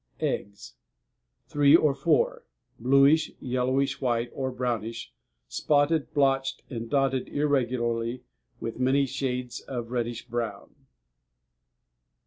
EGGS Three or four; bluish, yellowish white, or brownish, spotted, blotched, and dotted irregularly with many shades of reddish brown.